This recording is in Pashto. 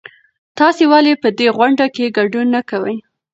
تاسې ولې په دې غونډه کې ګډون نه کوئ؟